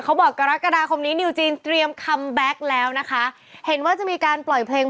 บอกกรกฎาคมนี้นิวจีนเตรียมคัมแบ็คแล้วนะคะเห็นว่าจะมีการปล่อยเพลง